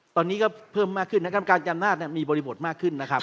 ตอนนี้ก็เพิ่มมากขึ้นนะครับการจำนาจมีบริบทมากขึ้นนะครับ